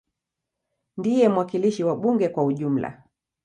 Ndiye mwakilishi wa bunge kwa ujumla.